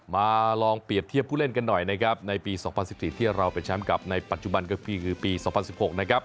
มาลองเปรียบเทียบผู้เล่นกันหน่อยนะครับในปี๒๐๑๔ที่เราเป็นแชมป์กับในปัจจุบันก็คือปี๒๐๑๖นะครับ